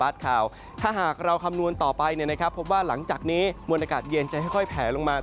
ข่าวถ้าหากเราคำนวณต่อไปเนี่ยนะครับพบว่าหลังจากนี้มวลอากาศเย็นจะค่อยแผลลงมา